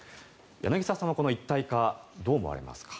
柳澤さんはこの一体化どう思われますか。